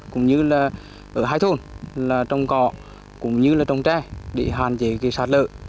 cũng như là ở hai thôn là trong cỏ cũng như là trong tre để hạn chế sạt lở